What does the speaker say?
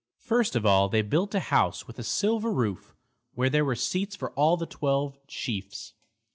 First of all they built a house with a silver roof, where there were seats for all the twelve chiefs.